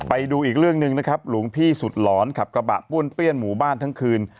ไปดูอีกเรื่องหนึ่งนะครับหลวงพี่สุดหลอนขับกระบะป้วนเปี้ยนหมู่บ้านทั้งคืน